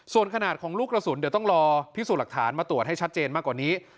ส่วนขนาดของลูกกระสุนเดี๋ยวต้องรอพิสูจน์หลักฐานมาตรวจให้ชัดเจนมากกว่านี้